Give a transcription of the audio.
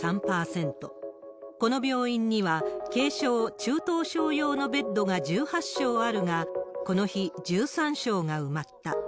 この病院には軽症、中等症用のベッドが１８床あるが、この日、１３床が埋まった。